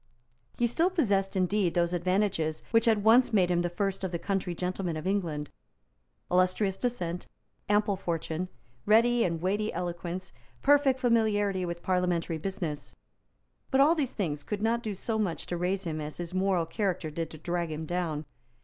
He still possessed, indeed, those advantages which had once made him the first of the country gentlemen of England, illustrious descent, ample fortune, ready and weighty eloquence, perfect familiarity with parliamentary business. But all these things could not do so much to raise him as his moral character did to drag him down.